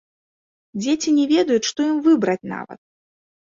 Дзеці не ведаюць, што ім выбраць нават!